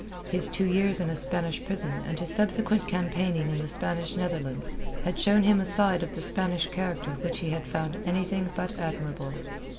His two years in a Spanish prison and his subsequent campaigning in the Spanish Netherlands had shown him a side of the Spanish character which he had found anything but admirable.